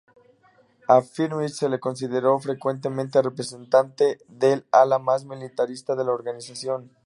A Firmenich se lo consideró frecuentemente representante del ala más militarista de la organización.